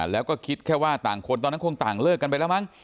แล้วก็คิดแค่ว่าต่างคนตอนนั้นคงต่างเลิกกันไปแล้วมั้ง